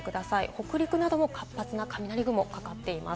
北陸なども活発な雷雲がかかっています。